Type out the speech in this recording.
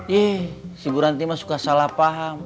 yee si buranti mah suka salah paham